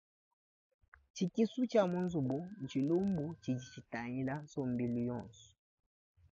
Tshikisu tshia mu nzubu ntshilumbu tshidi tshitangila nsombelu yonso.